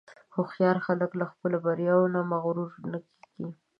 هوښیار خلک د خپلو بریاوو نه مغرور نه کېږي.